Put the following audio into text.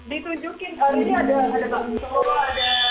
ditunjukin ini ada bakso ada bibi salad bubur serung serung